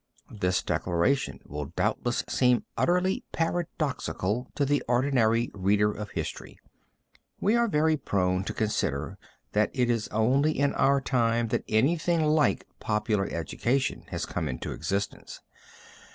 This declaration will doubtless seem utterly paradoxical to the ordinary reader of history. We are very prone to consider that it is only in our time that anything like popular education has come into existence.